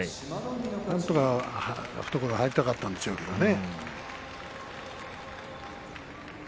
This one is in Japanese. なんとか懐に入りたかったんでしょうけどもね。